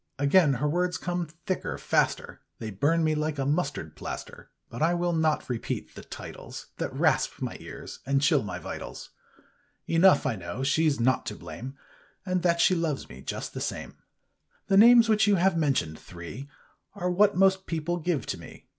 Again her words come thicker, faster, They burn me like a mustard plaster. But I will not repeat the titles That rasp my ears and chill my vitals. Enough, I know she's not to blame. And that she loves me just the same." Copyrighted, 1897 I HE names which you have mentioned, three, what most people give to me."